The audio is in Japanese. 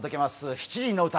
７時の歌。